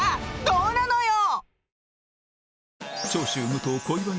どうなのよ？